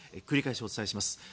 繰り返しお伝えします。